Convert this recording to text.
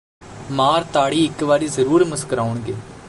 ਮਾਰ ਤਾੜੀ ਇਕ ਵਾਰੀ ਜ਼ਰੂਰ ਮੁਸਕਰਾਉਣਗੇ